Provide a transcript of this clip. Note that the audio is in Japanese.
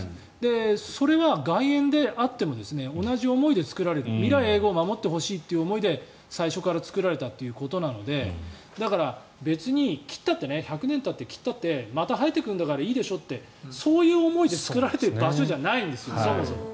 それが外苑であっても同じ思いで造られた未来永劫守ってほしいという思いで最初から作られたということなのでだから１００年たって切ったってまた生えてくるんだからいいでしょってそういう思いで造られてる場所じゃないんですよ。